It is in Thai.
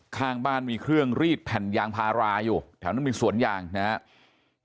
ข้างบ้านมีเครื่องรีดแผ่นยางพาราอยู่แถวนั้นมีสวนยางนะครับ